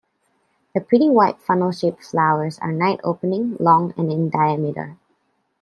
The pretty white funnel-shaped flowers are night-opening, long and in diameter.